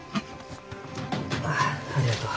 あありがとう。